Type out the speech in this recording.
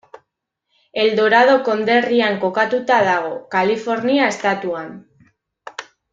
El Dorado konderrian kokatuta dago, Kalifornia estatuan.